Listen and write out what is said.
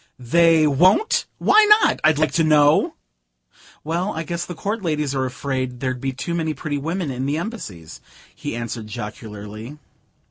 "They won't? Why not, I'd like to know?" "Well, I guess the court ladies are afraid there'd be too many pretty women in the Embassies," he answered jocularly.